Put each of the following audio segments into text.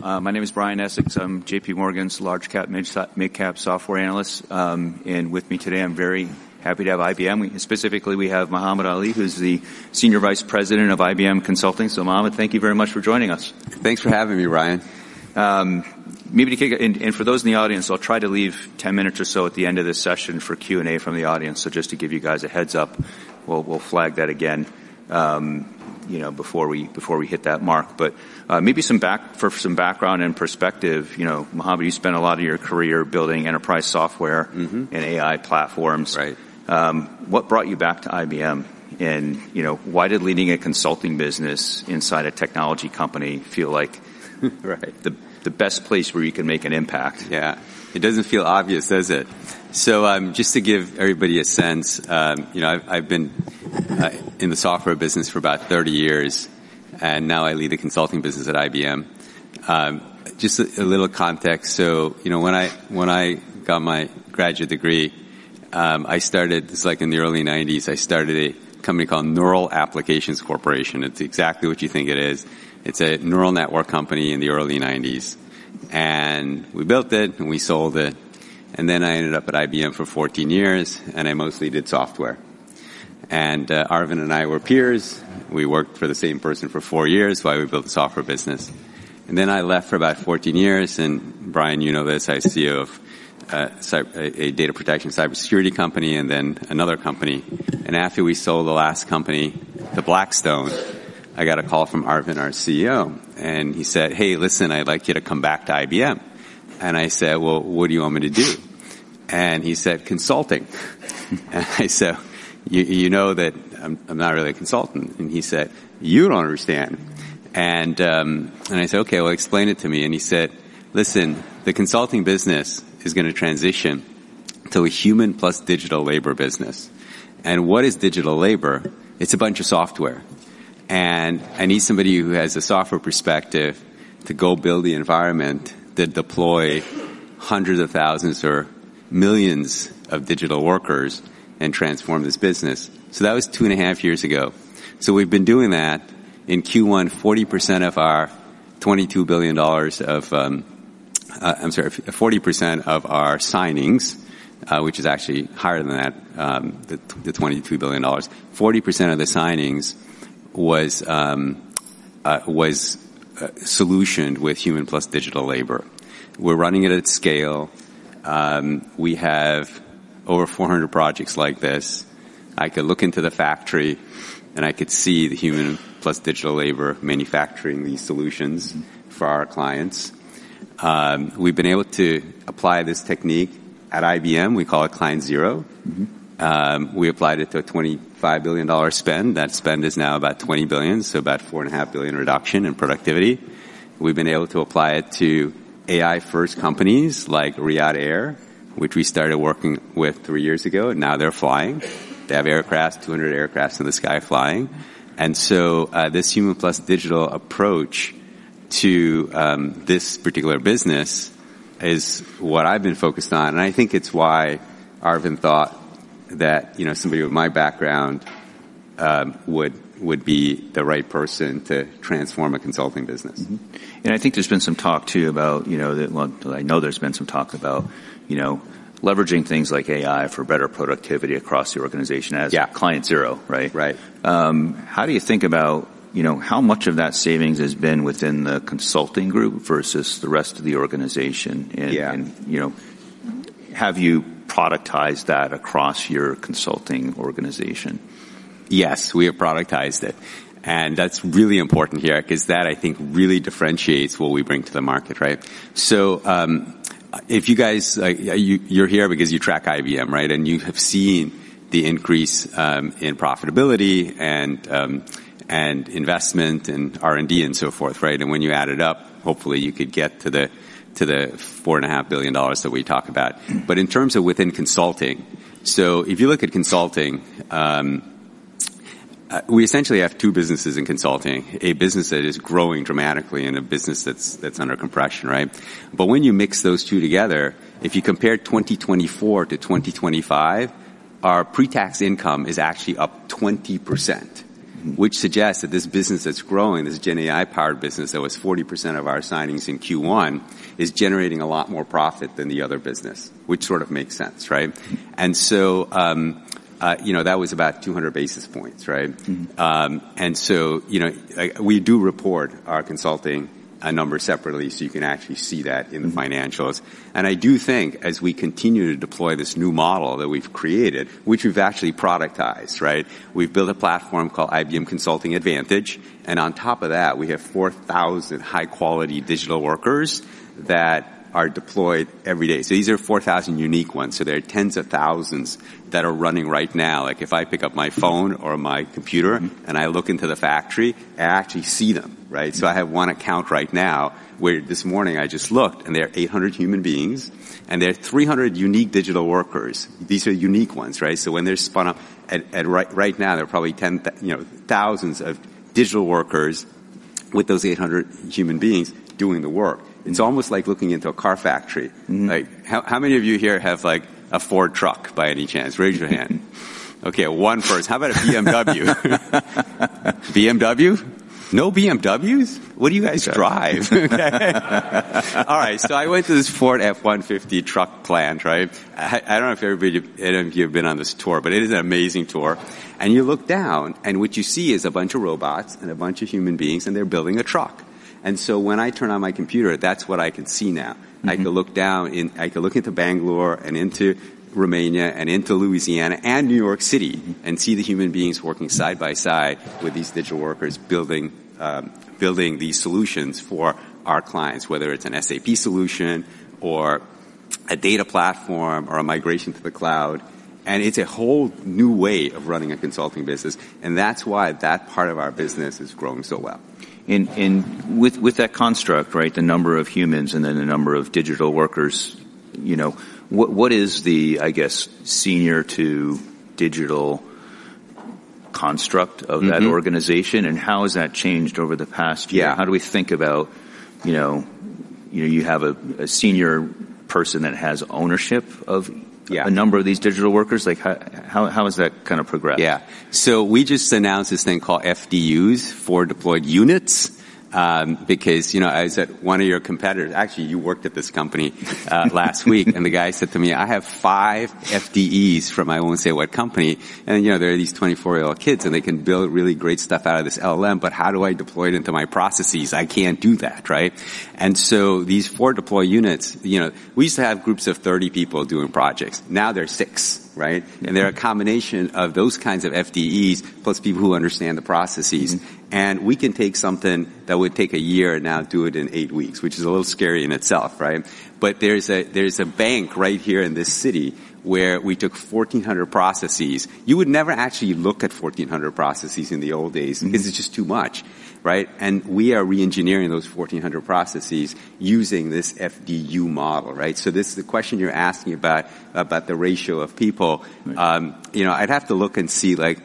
My name is Brian Essex. I'm J.P. Morgan's large-cap, mid-cap software analyst. With me today, I'm very happy to have IBM. Specifically, we have Mohamad Ali, who's the Senior Vice President of IBM Consulting. Mohamed, thank you very much for joining us. Thanks for having me, Brian. For those in the audience, I'll try to leave 10 minutes or so at the end of this session for Q&A from the audience. Just to give you guys a heads up, we'll flag that again before we hit that mark. Maybe for some background and perspective, Mohamed, you spent a lot of your career building enterprise software- and AI platforms. Right. What brought you back to IBM? Why did leading a consulting business inside a technology company feel like Right the best place where you can make an impact? Yeah. It doesn't feel obvious, does it? Just to give everybody a sense, I've been in the software business for about 30 years, and now I lead the consulting business at IBM. Just a little context, so when I got my graduate degree, this is like in the early '90s, I started a company called Neural Applications Corporation. It's exactly what you think it is. It's a neural network company in the early '90s. We built it, and we sold it. Then I ended up at IBM for 14 years, and I mostly did software. Arvind and I were peers. We worked for the same person for 4 years while we built the software business. Then I left for about 14 years, and Brian, you know this, I was CEO of a data protection cybersecurity company and then another company. After we sold the last company to Blackstone, I got a call from Arvind, our CEO, and he said, "Hey, listen, I'd like you to come back to IBM." I said, "Well, what do you want me to do?" He said, "Consulting." I said, "You know that I'm not really a consultant." He said, "You don't understand." I said, "Okay, well explain it to me." He said, "Listen, the consulting business is going to transition to a human plus digital labor business. What is digital labor? It's a bunch of software. I need somebody who has a software perspective to go build the environment that deploy hundreds of thousands or millions of digital workers and transform this business." That was two and a half years ago. We've been doing that. In Q1, 40% of our signings, which is actually higher than that, the $22 billion, 40% of the signings was solutioned with human plus digital labor. We're running it at scale. We have over 400 projects like this. I could look into the factory, and I could see the human plus digital labor manufacturing these solutions for our clients. We've been able to apply this technique at IBM. We call it Client Zero. We applied it to a $25 billion spend. That spend is now about $20 billion, so about $four and a half billion reduction in productivity. We've been able to apply it to AI first companies like Riyadh Air, which we started working with three years ago. Now they're flying. They have aircrafts, 200 aircrafts in the sky flying. This human plus digital approach to this particular business is what I've been focused on. I think it's why Arvind thought that somebody with my background would be the right person to transform a consulting business. Mm-hmm. I think there's been some talk too about Well, I know there's been some talk about leveraging things like AI for better productivity across the organization. Yeah Client Zero, right? Right. How do you think about how much of that savings has been within the consulting group versus the rest of the organization? Yeah. Have you productized that across your consulting organization? Yes, we have productized it, and that's really important here because that, I think, really differentiates what we bring to the market, right? You're here because you track IBM, right? You have seen the increase in profitability and investment in R&D and so forth, right? When you add it up, hopefully, you could get to the $4.5 billion that we talk about. In terms of within consulting, if you look at consulting, we essentially have two businesses in consulting, a business that is growing dramatically and a business that's under compression, right? When you mix those two together, if you compare 2024 to 2025, our pre-tax income is actually up 20%, which suggests that this business that's growing, this GenAI powered business that was 40% of our signings in Q1, is generating a lot more profit than the other business, which sort of makes sense, right? That was about 200 basis points, right? We do report our consulting numbers separately, so you can actually see that in the financials. I do think, as we continue to deploy this new model that we've created, which we've actually productized, right? We've built a platform called IBM Consulting Advantage, and on top of that, we have 4,000 high-quality digital workers that are deployed every day. These are 4,000 unique ones, so there are tens of thousands that are running right now. If I pick up my phone or my computer. I look into the factory, I actually see them, right? I have one account right now where this morning I just looked, and there are 800 human beings, and there are 300 unique digital workers. These are unique ones, right? When they're spun up, right now there are probably thousands of digital workers with those 800 human beings doing the work. It's almost like looking into a car factory. How many of you here have a Ford truck, by any chance? Raise your hand. Okay, one person. How about a BMW? BMW? No BMWs? What do you guys drive? All right, I went to this Ford F-150 truck plant. I don't know if any of you have been on this tour, but it is an amazing tour. You look down, and what you see is a bunch of robots and a bunch of human beings, and they're building a truck. When I turn on my computer, that's what I can see now. I can look into Bangalore and into Romania and into Louisiana and New York City and see the human beings working side by side with these digital workers building these solutions for our clients, whether it's an SAP solution or a data platform or a migration to the cloud. It's a whole new way of running a consulting business. That's why that part of our business is growing so well. With that construct, the number of humans and then the number of digital workers, what is the senior to digital construct of that- organization, how has that changed over the past year? Yeah. How do we think about, you have a senior person that has ownership of- Yeah a number of these digital workers? How has that progressed? Yeah. We just announced this thing called FDUs for deployed units. I was at one of your competitors. Actually, you worked at this company last week. The guy said to me, "I have 5 FDEs from," I won't say what company, "and they're these 24-year-old kids, and they can build really great stuff out of this LLM, but how do I deploy it into my processes? I can't do that." These four deploy units, we used to have groups of 30 people doing projects. Now they're six. Yeah. They're a combination of those kinds of FDEs, plus people who understand the processes. We can take something that would take a year now do it in eight weeks, which is a little scary in itself. There's a bank right here in this city where we took 1,400 processes. You would never actually look at 1,400 processes in the old days. because it's just too much. We are re-engineering those 1,400 processes using this FDU model. This the question you're asking about the ratio of people. Right. I'd have to look and see what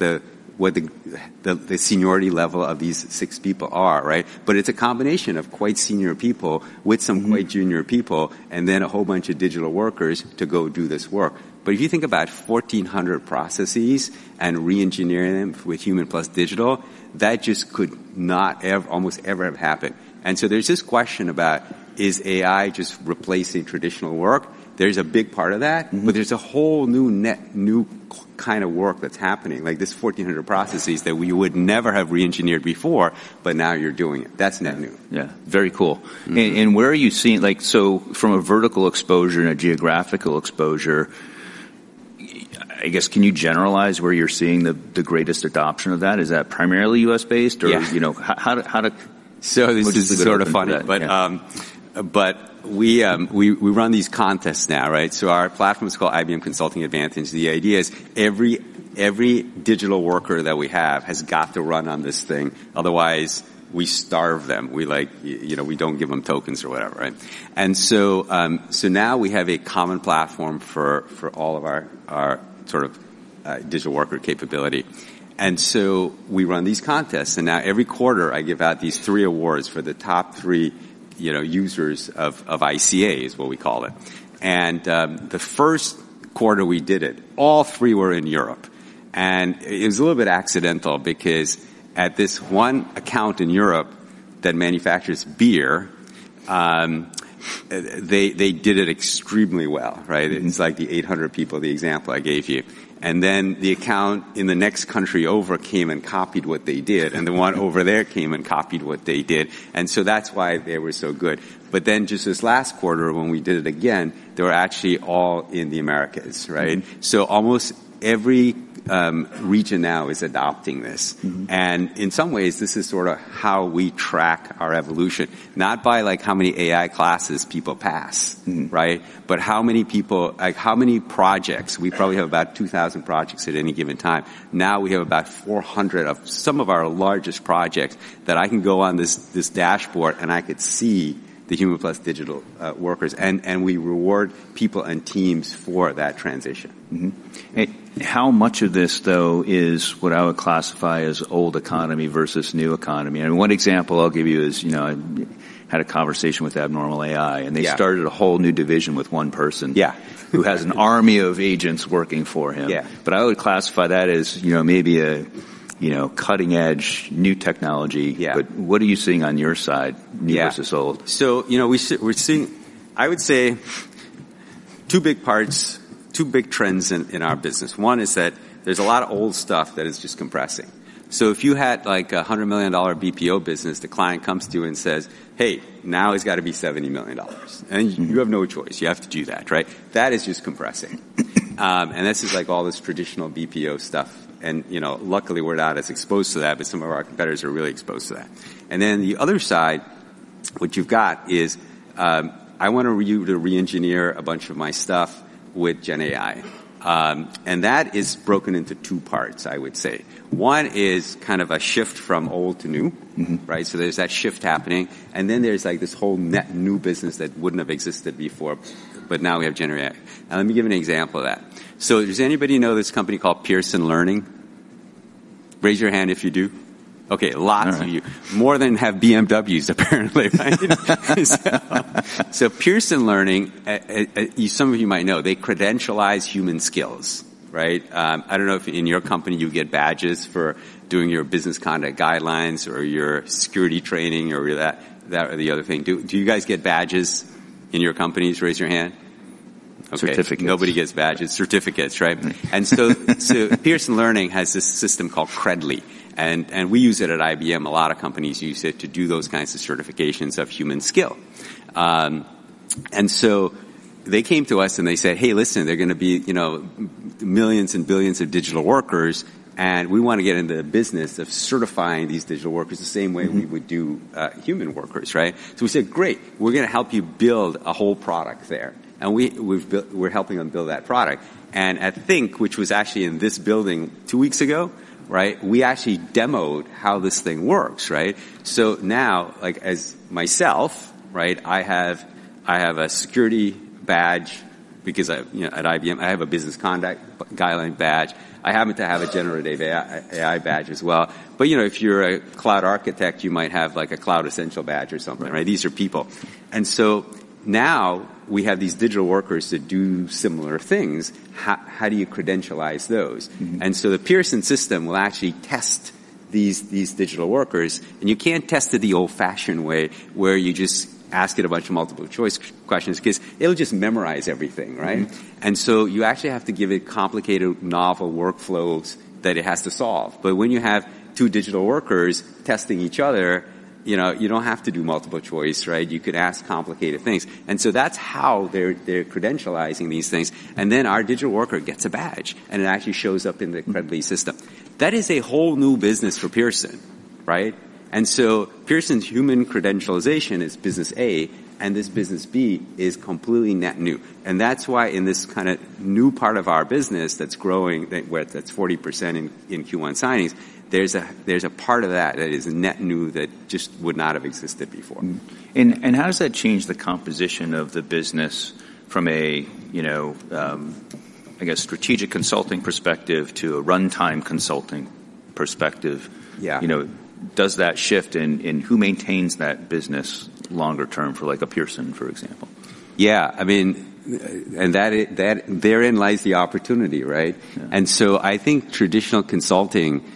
the seniority level of these six people are. It's a combination of quite senior people. quite junior people and then a whole bunch of digital workers to go do this work. If you think about 1,400 processes and re-engineering them with human plus digital, that just could not almost ever have happened. There's this question about is AI just replacing traditional work? There's a big part of that. There's a whole new kind of work that's happening, like this 1,400 processes that we would never have re-engineered before, but now you're doing it. That's net new. Yeah. Very cool. Where are you seeing From a vertical exposure and a geographical exposure, I guess, can you generalize where you're seeing the greatest adoption of that? Is that primarily U.S.-based? Yeah. how to- This is sort of funny. Yeah. We run these contests now. Our platform is called IBM Consulting Advantage. The idea is every digital worker that we have has got to run on this thing, otherwise we starve them. We don't give them tokens or whatever. Now we have a common platform for all of our digital worker capability. We run these contests, and now every quarter, I give out these three awards for the top three users of ICA, is what we call it. The first quarter we did it, all three were in Europe. It was a little bit accidental because at this one account in Europe that manufactures beer, they did it extremely well. It's like the 800 people, the example I gave you. The account in the next country over came and copied what they did, and the one over there came and copied what they did. That's why they were so good. Just this last quarter when we did it again, they were actually all in the Americas. Almost every region now is adopting this. In some ways, this is sort of how we track our evolution, not by how many AI classes people pass. How many projects? We probably have about 2,000 projects at any given time. We have about 400 of some of our largest projects that I can go on this dashboard, and I could see the human plus digital workers. We reward people and teams for that transition. How much of this, though is what I would classify as old economy versus new economy? One example I'll give you is, I had a conversation with Abnormal AI. Yeah. They started a whole new division with one person. Yeah who has an army of agents working for him. Yeah. I would classify that as maybe a cutting-edge new technology. Yeah. What are you seeing on your side? Yeah new versus old? We're seeing, I would say, two big parts, two big trends in our business. One is that there's a lot of old stuff that is just compressing. If you had a $100 million BPO business, the client comes to you and says, "Hey, now it's got to be $70 million." You have no choice. You have to do that. That is just compressing. This is all this traditional BPO stuff. Luckily, we're not as exposed to that, but some of our competitors are really exposed to that. Then the other side, what you've got is, I want you to re-engineer a bunch of my stuff with GenAI. That is broken into two parts, I would say. One is kind of a shift from old to new. There's that shift happening. There's this whole net new business that wouldn't have existed before, but now we have GenAI. Let me give you an example of that. Does anybody know this company called Pearson Learning? Raise your hand if you do. Okay. Lots of you. All right. More than have BMWs apparently. Pearson learning, some of you might know, they credentialize human skills. Right? I don't know if in your company you get badges for doing your business conduct guidelines or your security training or that or the other thing. Do you guys get badges in your companies? Raise your hand. Okay. Certificates. Nobody gets badges. Certificates, right? Right. Pearson Learning has this system called Credly, and we use it at IBM. A lot of companies use it to do those kinds of certifications of human skill. They came to us and they said, "Hey, listen, there are going to be millions and billions of digital workers, and we want to get into the business of certifying these digital workers the same way we would do human workers," right? We said, "Great. We're going to help you build a whole product there." We're helping them build that product. At Think, which was actually in this building two weeks ago, right? We actually demoed how this thing works, right? Now, as myself, right, I have a security badge because at IBM, I have a business conduct guideline badge. I happen to have a generative AI badge as well. If you're a cloud architect, you might have a cloud essential badge or something, right? These are people. Now we have these digital workers that do similar things. How do you credentialize those? The Pearson system will actually test these digital workers, and you can't test it the old-fashioned way, where you just ask it a bunch of multiple choice questions because it'll just memorize everything, right? You actually have to give it complicated, novel workflows that it has to solve. When you have two digital workers testing each other, you don't have to do multiple choice, right? You could ask complicated things. That's how they're credentializing these things. Then our digital worker gets a badge, and it actually shows up in the Credly system. That is a whole new business for Pearson, right? Pearson's human credentialization is business A, and this business B is completely net new. That's why in this kind of new part of our business that's growing, that's 40% in Q1 signings, there's a part of that that is net new that just would not have existed before. How does that change the composition of the business from a, I guess, strategic consulting perspective to a runtime consulting perspective? Yeah. Does that shift in who maintains that business longer term for like a Pearson, for example? Yeah. Therein lies the opportunity, right? Yeah. I think traditional consulting is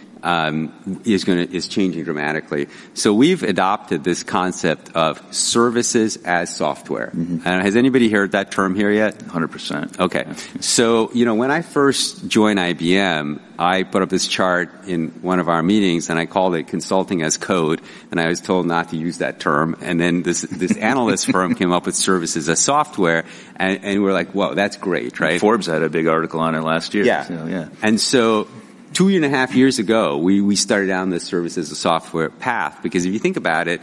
changing dramatically. We've adopted this concept of services-as-software. Has anybody heard that term here yet? 100%. Okay. When I first joined IBM, I put up this chart in one of our meetings, I called it Consulting as Code, I was told not to use that term. Then this analyst firm came up with services-as-software, and we're like, "Whoa, that's great." Right? Forbes had a big article on it last year. Yeah. Yeah. We started down this services-as-software path because if you think about it,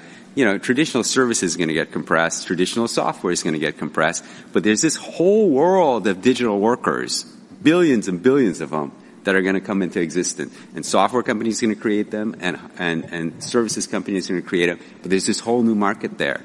traditional service is going to get compressed, traditional software is going to get compressed, but there's this whole world of digital workers, billions and billions of them, that are going to come into existence. Software companies are going to create them, services companies are going to create them, but there's this whole new market there.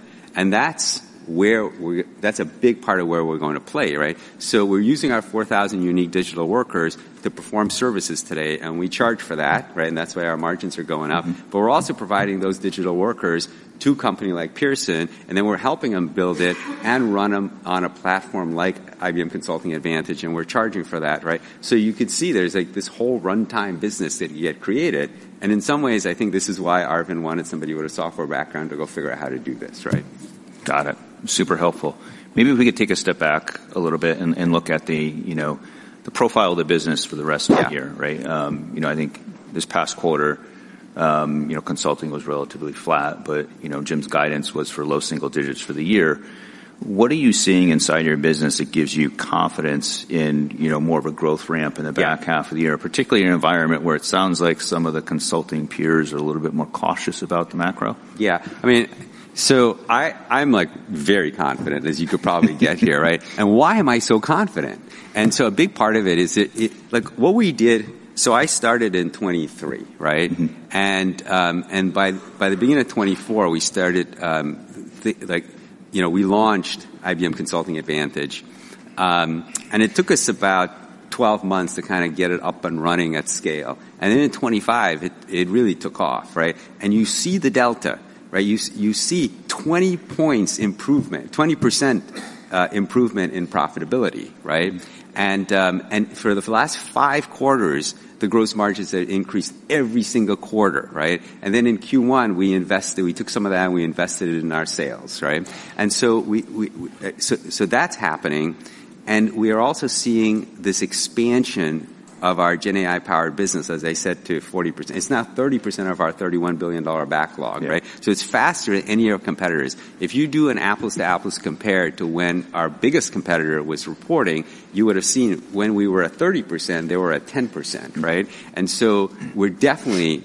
That's a big part of where we're going to play, right? We're using our 4,000 unique digital workers to perform services today, and we charge for that, right? That's why our margins are going up. We're also providing those digital workers to a company like Pearson, we're helping them build it and run them on a platform like IBM Consulting Advantage, and we're charging for that, right? You could see there's this whole runtime business that you had created, and in some ways, I think this is why Arvind wanted somebody with a software background to go figure out how to do this, right? Got it. Super helpful. Maybe if we could take a step back a little bit and look at the profile of the business for the rest of the year. Yeah. Right. I think this past quarter, consulting was relatively flat. Jim's guidance was for low single digits for the year. What are you seeing inside your business that gives you confidence in more of a growth ramp in the back half of the year, particularly in an environment where it sounds like some of the consulting peers are a little bit more cautious about the macro? Yeah. I'm very confident as you could probably guess here, right? Why am I so confident? A big part of it is, I started in 2023, right? By the beginning of 2024, we launched IBM Consulting Advantage. It took us about 12 months to kind of get it up and running at scale. Then in 2025, it really took off, right? You see the delta, right? You see 20 points improvement, 20% improvement in profitability, right? For the last five quarters, the gross margins have increased every single quarter, right? Then in Q1, we took some of that, and we invested it in our sales, right? That's happening, and we are also seeing this expansion of our GenAI powered business, as I said, to 40%. It's now 30% of our $31 billion backlog, right? Yeah. It's faster than any of our competitors. If you do an apples to apples compare to when our biggest competitor was reporting, you would've seen when we were at 30%, they were at 10%, right? We're definitely,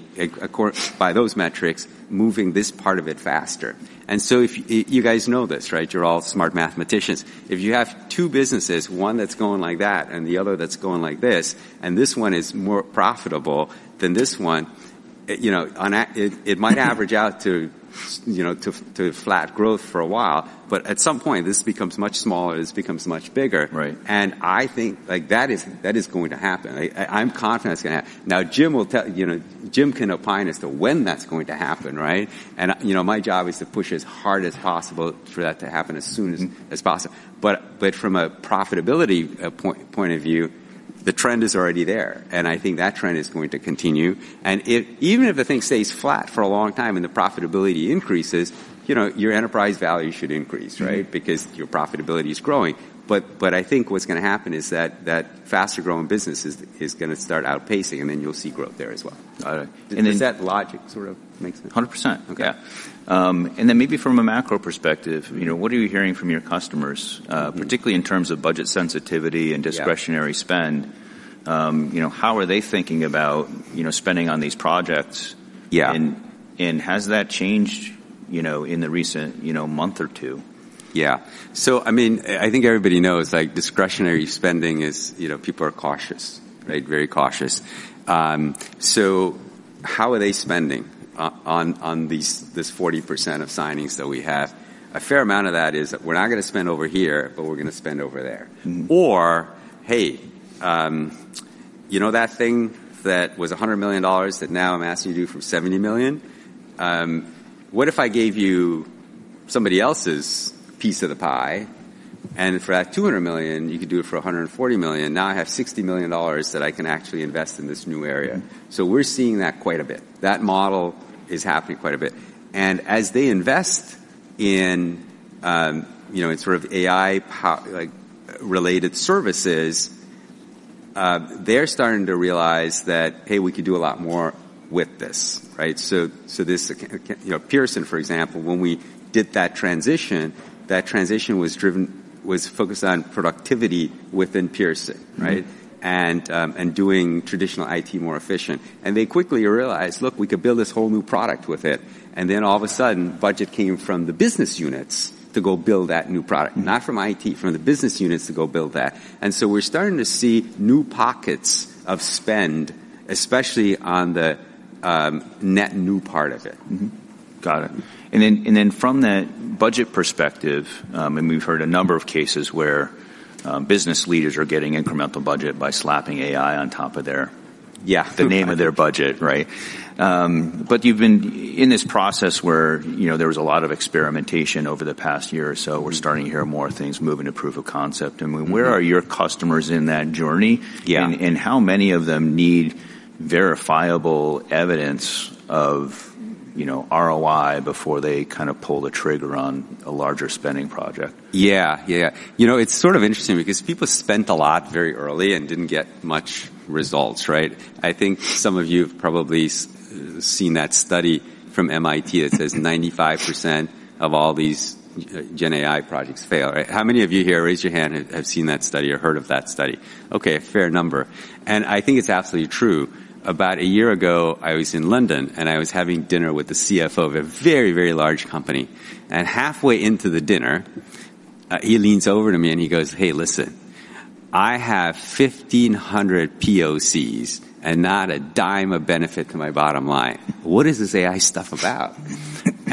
by those metrics, moving this part of it faster. You guys know this, right? You're all smart mathematicians. If you have two businesses, one that's going like that and the other that's going like this, and this one is more profitable than this one. It might average out to flat growth for a while, but at some point, this becomes much smaller, this becomes much bigger. Right. I think that is going to happen. I'm confident it's going to happen. Jim can opine as to when that's going to happen, right? My job is to push as hard as possible for that to happen as soon as possible. From a profitability point of view, the trend is already there, and I think that trend is going to continue. Even if the thing stays flat for a long time and the profitability increases, your enterprise value should increase, right? Because your profitability is growing. I think what's going to happen is that that faster growing business is going to start outpacing, then you'll see growth there as well. All right. Does that logic sort of make sense? 100%. Okay. Yeah. Then maybe from a macro perspective, what are you hearing from your customers, particularly in terms of budget sensitivity and. Yeah Discretionary spend? How are they thinking about spending on these projects? Yeah. Has that changed in the recent month or two? Yeah. I think everybody knows discretionary spending is people are cautious, right? Very cautious. How are they spending on this 40% of signings that we have? A fair amount of that is that we're not going to spend over here, but we're going to spend over there. Hey, you know that thing that was $100 million that now I'm asking you to do for $70 million? What if I gave you somebody else's piece of the pie, and for that $200 million, you could do it for $140 million? Now I have $60 million that I can actually invest in this new area. We're seeing that quite a bit. That model is happening quite a bit. As they invest in sort of AI-related services, they're starting to realize that, hey, we could do a lot more with this, right? Pearson, for example, when we did that transition, that transition was focused on productivity within Pearson, right? Doing traditional IT more efficient. They quickly realized, look, we could build this whole new product with it. All of a sudden, budget came from the business units to go build that new product. Not from IT, from the business units to go build that. We're starting to see new pockets of spend, especially on the net new part of it. Mm-hmm. Got it. Then from that budget perspective, we've heard a number of cases where business leaders are getting incremental budget by slapping AI on top of their- Yeah the name of their budget, right? You've been in this process where there was a lot of experimentation over the past year or so. We're starting to hear more things moving to proof of concept. I mean, where are your customers in that journey? Yeah. How many of them need verifiable evidence of ROI before they pull the trigger on a larger spending project? Yeah, it's sort of interesting because people spent a lot very early and didn't get much results, right? I think some of you have probably seen that study from MIT that says 95% of all these GenAI projects fail, right? How many of you here, raise your hand, have seen that study or heard of that study? Okay, a fair number. I think it's absolutely true. About a year ago, I was in London and I was having dinner with the CFO of a very, very large company. Halfway into the dinner, he leans over to me and he goes, "Hey, listen, I have 1,500 POCs and not a dime of benefit to my bottom line. What is this AI stuff about?"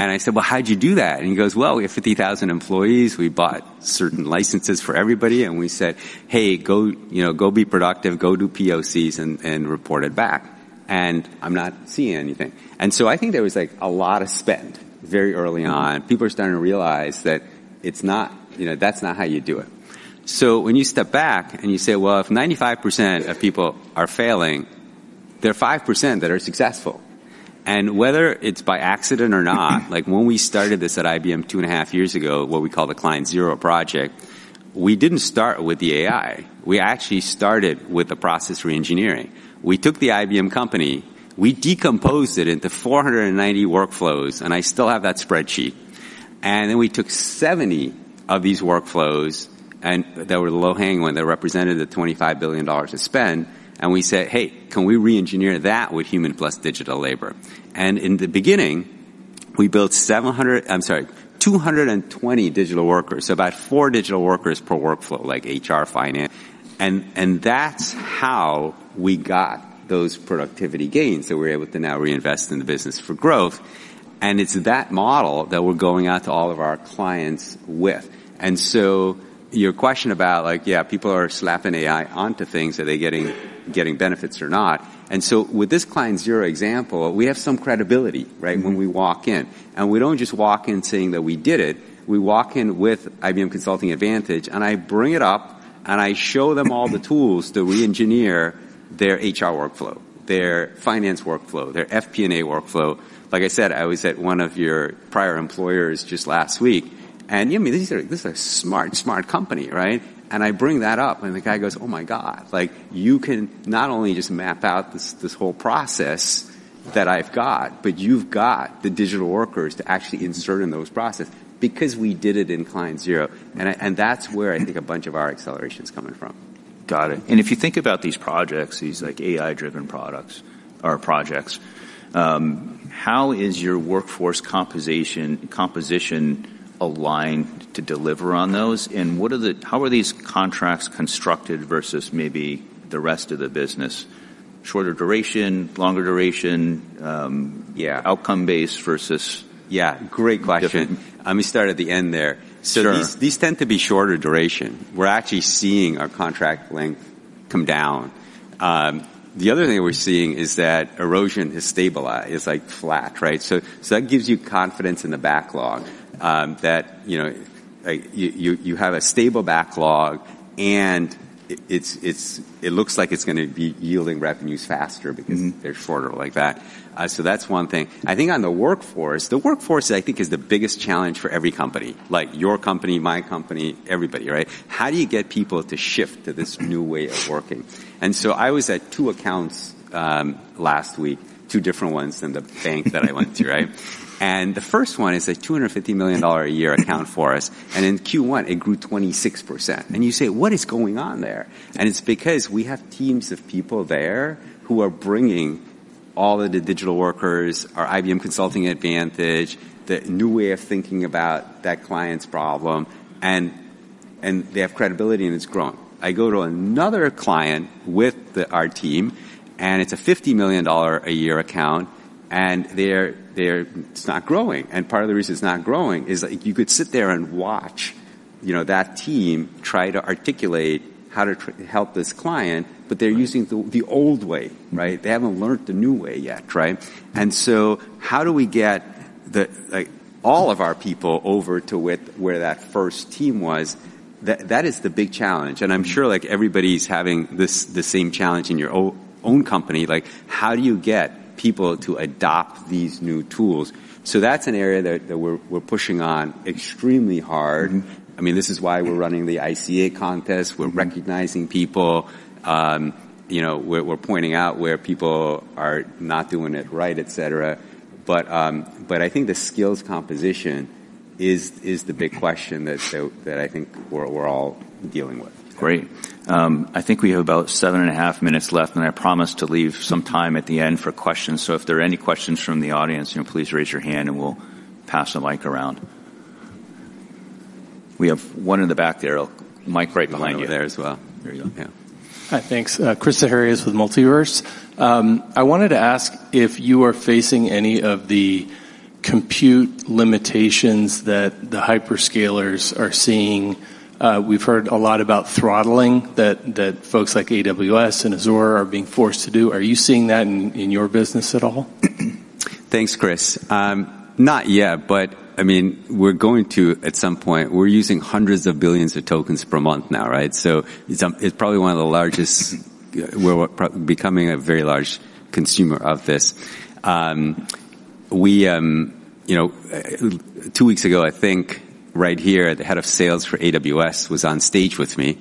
I said, "Well, how'd you do that?" He goes, "Well, we have 50,000 employees. We bought certain licenses for everybody, and we said, 'Hey, go be productive, go do POCs and report it back.' I'm not seeing anything." I think there was a lot of spend very early on. People are starting to realize that that's not how you do it. When you step back and you say, well if 95% of people are failing, there are 5% that are successful. Whether it's by accident or not, like when we started this at IBM two and a half years ago, what we call the Client Zero project, we didn't start with the AI, we actually started with the process re-engineering. We took the IBM company, we decomposed it into 490 workflows, and I still have that spreadsheet. We took 70 of these workflows, and they were the low-hanging one that represented the $25 billion of spend, and we said, "Hey, can we re-engineer that with human plus digital labor?" In the beginning, we built 700, I'm sorry, 220 digital workers, so about four digital workers per workflow, like HR, finance. That's how we got those productivity gains that we're able to now reinvest in the business for growth. It's that model that we're going out to all of our clients with. Your question about, yeah, people are slapping AI onto things. Are they getting benefits or not? With this Client Zero example, we have some credibility, right, when we walk in. We don't just walk in saying that we did it. We walk in with IBM Consulting Advantage, and I bring it up and I show them all the tools to re-engineer their HR workflow, their finance workflow, their FP&A workflow. Like I said, I was at one of your prior employers just last week, and this is a smart company, right? I bring that up, and the guy goes, "Oh my God, you can not only just map out this whole process that I've got, but you've got the digital workers to actually insert in those processes," because we did it in Client Zero. That's where I think a bunch of our acceleration's coming from. Got it. If you think about these projects, these AI-driven products or projects. How is your workforce composition aligned to deliver on those, and how are these contracts constructed versus maybe the rest of the business? Shorter duration, longer duration? Yeah. Outcome-based versus. Yeah. Great question. Let me start at the end there. Sure. These tend to be shorter duration. We're actually seeing our contract length come down. The other thing that we're seeing is that erosion is stabilized, is flat, right? That gives you confidence in the backlog, that you have a stable backlog, and it looks like it's going to be yielding revenues faster because they're shorter like that. That's one thing. I think on the workforce, the workforce I think is the biggest challenge for every company. Your company, my company, everybody, right? How do you get people to shift to this new way of working? I was at two accounts last week, two different ones than the bank that I went to, right? The first one is a $250 million a year account for us, and in Q1, it grew 26%. You say, "What is going on there?" It's because we have teams of people there who are bringing all of the digital workers, our IBM Consulting Advantage, the new way of thinking about that client's problem, and they have credibility, and it's growing. I go to another client with our team, and it's a $50 million a year account, and it's not growing. Part of the reason it's not growing is that you could sit there and watch that team try to articulate how to help this client, but they're using the old way, right? They haven't learned the new way yet, right? How do we get all of our people over to where that first team was? That is the big challenge, and I'm sure everybody's having the same challenge in your own company. How do you get people to adopt these new tools? That's an area that we're pushing on extremely hard. This is why we're running the ICA contest. We're recognizing people. We're pointing out where people are not doing it right, et cetera. I think the skills composition is the big question that I think we're all dealing with. Great. I think we have about seven and a half minutes left, and I promise to leave some time at the end for questions. If there are any questions from the audience, please raise your hand, and we'll pass the mic around. We have one in the back there. Mic right behind you over there as well. There you go. Yeah. Hi, thanks. Chris Zaharias with Multiverse. I wanted to ask if you are facing any of the compute limitations that the hyperscalers are seeing. We've heard a lot about throttling that folks like AWS and Azure are being forced to do. Are you seeing that in your business at all? Thanks, Chris. Not yet, but we're going to at some point. We're using hundreds of billions of tokens per month now, right? It's probably one of the largest. We're becoming a very large consumer of this. Two weeks ago, I think, right here, the head of sales for AWS was on stage with me,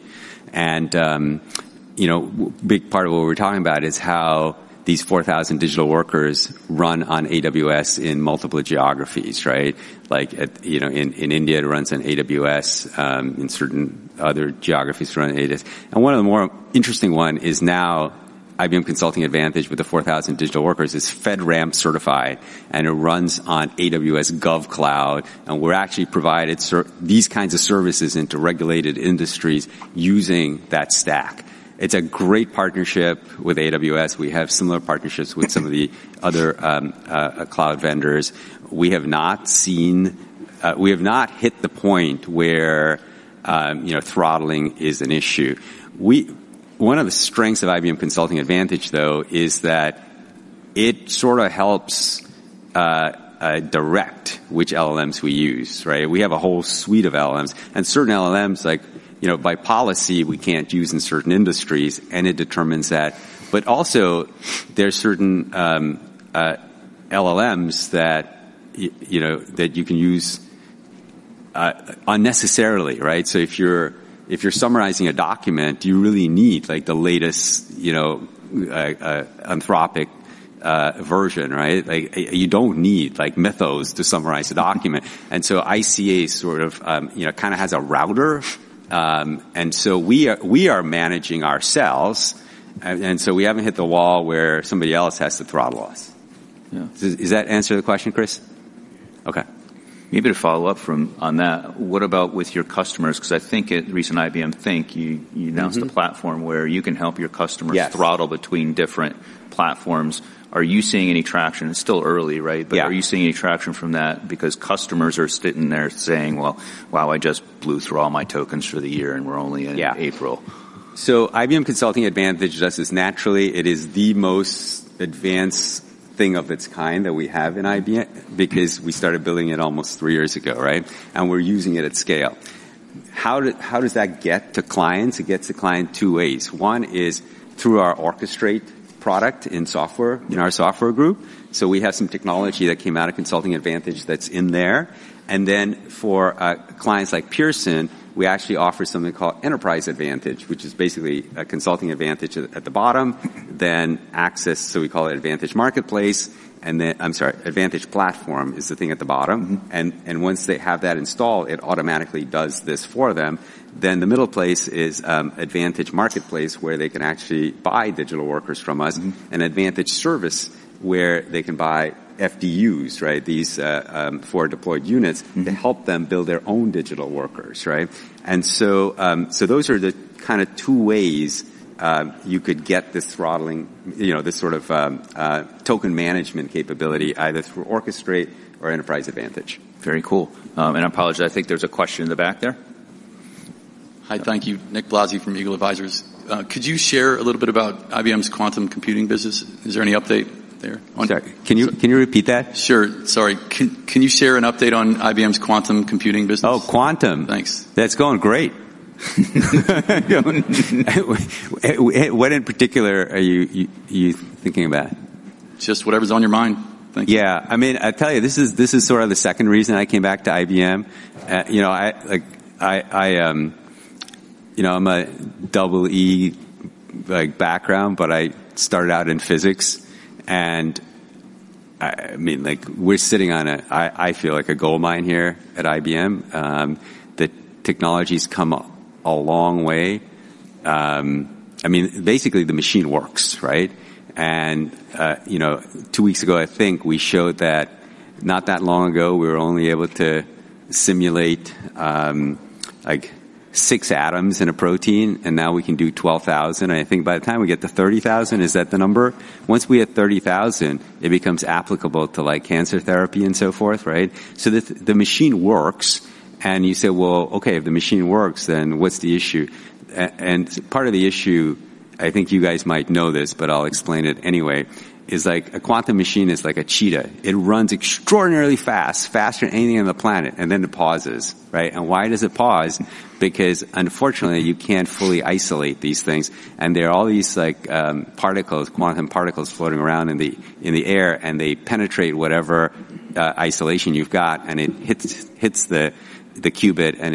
and a big part of what we were talking about is how these 4,000 digital workers run on AWS in multiple geographies, right? In India, it runs on AWS. In certain other geographies, it runs on AWS. One of the more interesting one is now IBM Consulting Advantage with the 4,000 digital workers is FedRAMP certified, and it runs on AWS GovCloud, and we're actually provided these kinds of services into regulated industries using that stack. It's a great partnership with AWS. We have similar partnerships with some of the other cloud vendors. We have not hit the point where throttling is an issue. One of the strengths of IBM Consulting Advantage, though, is that it sort of helps direct which LLMs we use, right? We have a whole suite of LLMs. Certain LLMs, by policy, we can't use in certain industries, and it determines that. Also, there's certain LLMs that you can use unnecessarily, right? If you're summarizing a document, do you really need the latest Anthropic version, right? You don't need Mythos to summarize a document. ICA sort of has a router. We are managing ourselves, we haven't hit the wall where somebody else has to throttle us. Yeah. Does that answer the question, Chris? Okay. Maybe to follow up on that, what about with your customers? I think at the recent IBM Think, you announced a platform where you can help your customers- Yes throttle between different platforms. Are you seeing any traction? It's still early, right? Yeah. Are you seeing any traction from that because customers are sitting there saying, "Well, wow, I just blew through all my tokens for the year, and we're only in April. IBM Consulting Advantage, just as naturally, it is the most advanced thing of its kind that we have in IBM because we started building it almost three years ago, right? We're using it at scale. How does that get to clients? It gets to client two ways. One is through our Orchestrate product in our software group. We have some technology that came out of Consulting Advantage that's in there. For clients like Pearson, we actually offer something called Enterprise Advantage, which is basically a Consulting Advantage at the bottom. Access, we call it Advantage Marketplace, I'm sorry, Advantage Platform is the thing at the bottom. Once they have that installed, it automatically does this for them. The middle place is Advantage Marketplace, where they can actually buy digital workers from us, and Advantage Service, where they can buy FDUs, right? These forward deployed units to help them build their own digital workers, right? Those are the two ways you could get this throttling, this sort of token management capability, either through Orchestrate or Enterprise Advantage. Very cool. I apologize, I think there's a question in the back there. Hi. Thank you. Nick Blasi from Eagle Advisors. Could you share a little bit about IBM's quantum computing business? Is there any update there? Sorry, can you repeat that? Sure. Sorry. Can you share an update on IBM's quantum computing business? Oh, quantum. Thanks. That's going great. What in particular are you thinking about? Just whatever's on your mind. Thank you. Yeah. I tell you, this is sort of the second reason I came back to IBM. I'm an Electrical Engineering background, but I started out in physics. We're sitting on, I feel like a gold mine here at IBM. The technology's come a long way. Basically, the machine works, right? Two weeks ago, I think we showed that not that long ago, we were only able to simulate six atoms in a protein, and now we can do 12,000. I think by the time we get to 30,000? Is that the number? Once we hit 30,000, it becomes applicable to cancer therapy and so forth, right? The machine works, and you say, "Well, okay, if the machine works, then what's the issue?" Part of the issue, I think you guys might know this, but I'll explain it anyway, is a quantum machine is like a cheetah. It runs extraordinarily fast, faster than anything on the planet, and then it pauses, right? Why does it pause? Because unfortunately, you can't fully isolate these things, and there are all these quantum particles floating around in the air, and they penetrate whatever isolation you've got, and it hits the qubit, and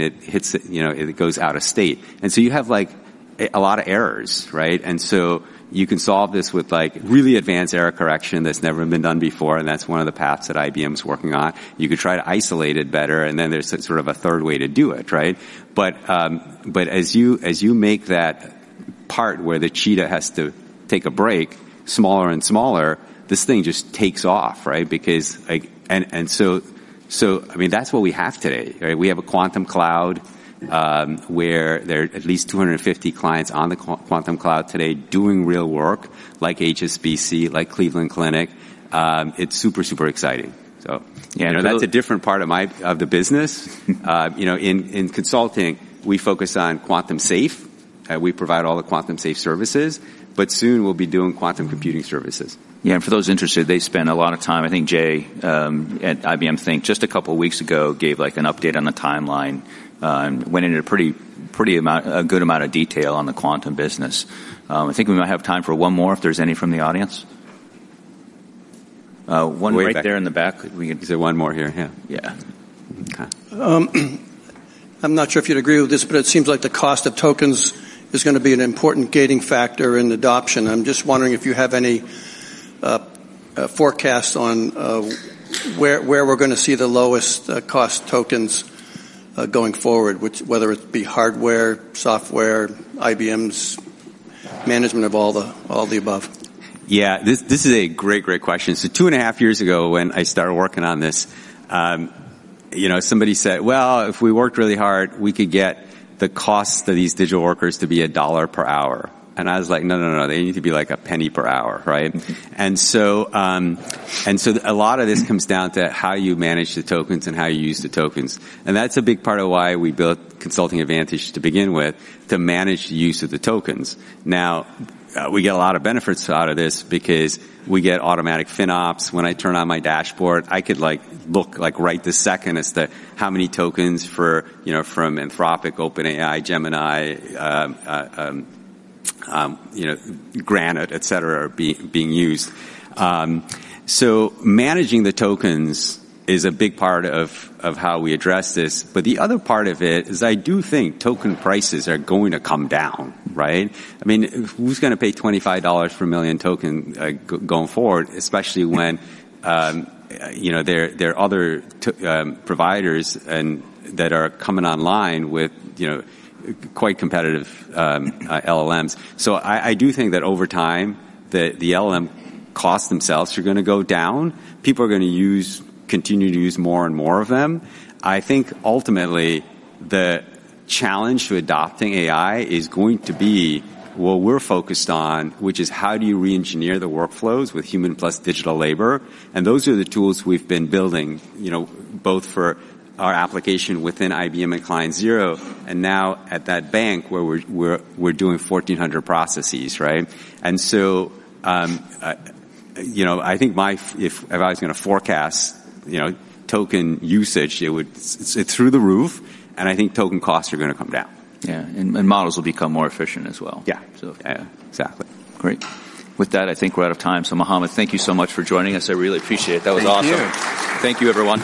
it goes out of state. You have a lot of errors, right? You can solve this with really advanced error correction that's never been done before, and that's one of the paths that IBM's working on. You could try to isolate it better, and then there's sort of a third way to do it, right? As you make that part where the cheetah has to take a break smaller and smaller, this thing just takes off, right? That's what we have today. We have a quantum cloud, where there are at least 250 clients on the quantum cloud today doing real work, like HSBC, like Cleveland Clinic. It's super exciting. That's a different part of the business. In consulting, we focus on quantum-safe. We provide all the quantum-safe services. Soon we'll be doing quantum computing services. Yeah, for those interested, they spend a lot of time. I think Jay, at IBM Think, just a couple of weeks ago, gave an update on the timeline, and went into a good amount of detail on the quantum business. I think we might have time for one more if there's any from the audience. One right there in the back. Is there one more here? Yeah. Yeah. Okay. I'm not sure if you'd agree with this, but it seems like the cost of tokens is going to be an important gating factor in adoption. I'm just wondering if you have any forecasts on where we're going to see the lowest cost tokens going forward, whether it be hardware, software, IBM's management of all the above. Yeah. This is a great question. Two and a half years ago, when I started working on this, somebody said, "Well, if we worked really hard, we could get the cost of these digital workers to be a dollar per hour." I was like, "No, no, they need to be like a penny per hour," right? A lot of this comes down to how you manage the tokens and how you use the tokens. That's a big part of why we built Consulting Advantage to begin with, to manage the use of the tokens. Now, we get a lot of benefits out of this because we get automatic FinOps. When I turn on my dashboard, I could look right this second as to how many tokens from Anthropic, OpenAI, Gemini, Granite, et cetera, are being used. Managing the tokens is a big part of how we address this. The other part of it is I do think token prices are going to come down, right? Who's going to pay $25 for 1 million token going forward, especially when there are other providers that are coming online with quite competitive LLMs. I do think that over time, the LLM costs themselves are going to go down. People are going to continue to use more and more of them. I think ultimately, the challenge to adopting AI is going to be what we're focused on, which is how do you re-engineer the workflows with human plus digital labor? Those are the tools we've been building, both for our application within IBM and Client Zero, and now at that bank where we're doing 1,400 processes. I think if I was going to forecast token usage, it's through the roof, and I think token costs are going to come down. Yeah. Models will become more efficient as well. Yeah. Yeah. Exactly. Great. With that, I think we're out of time. Mohamad, thank you so much for joining us. I really appreciate it. That was awesome. Thank you. Thank you, everyone.